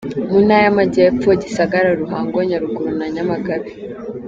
Mu ntara y’Amajyepfo: Gisagara, Ruhango, Nyaruguru na Nyamagabe .